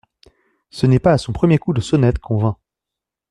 Ce n'est pas à son premier coup de sonnette qu'on vint.